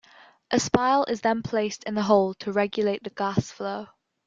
A spile is then placed in the hole to regulate the gas flow.